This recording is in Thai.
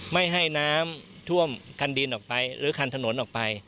ไม่ให้น้ำท่วมคันดินออกไปหรือคันถนนออกไป